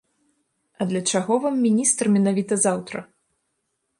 А для чаго вам міністр менавіта заўтра?